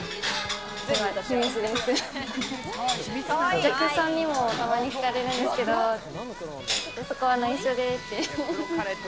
お客さんにも、たまに聞かれるんですけど、そこは内緒でって。